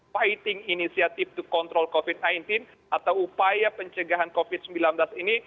fighting initiative to control covid sembilan belas atau upaya pencegahan covid sembilan belas ini